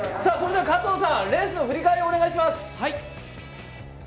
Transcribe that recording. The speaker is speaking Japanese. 加藤さん、レースの振り返りをお願いします。